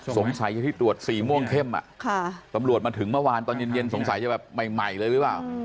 สงสัยจะที่ตรวจสีม่วงเข้มตำรวจมาถึงเมื่อวานตอนเย็นสงสัยจะแบบใหม่เลยหรือเปล่า